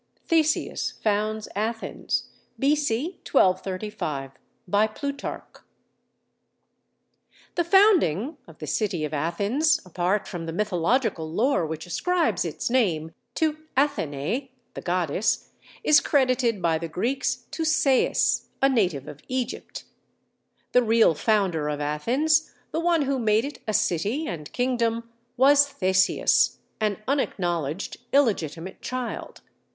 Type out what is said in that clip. THESEUS FOUNDS ATHENS B.C. 1235 PLUTARCH The founding of the city of Athens, apart from the mythological lore which ascribes its name to Athené, the goddess, is credited by the Greeks to Sais, a native of Egypt. The real founder of Athens, the one who made it a city and kingdom, was Theseus; an unacknowledged illegitimate child.